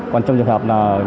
còn trong trường hợp nhẹ hơn